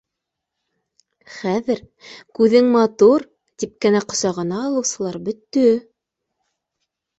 Хәҙер, күҙең матур, тип кенә ҡосағына алыусылар бөттө